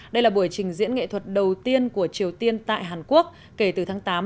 đây là buổi trình diễn nghệ thuật đầu tiên của triều tiên tại hàn quốc kể từ tháng tám năm hai nghìn hai